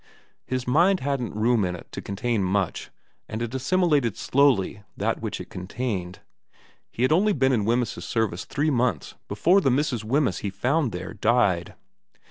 His mind hadn't room in it to contain much, and it assimilated slowly that which it contained. He had only been in Wemyss's service three months before the Mrs. Wemyss he found there died.